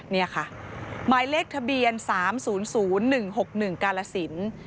นี่ค่ะหมายเลขทะเบียน๓๐๐๑๖๑กาลสิน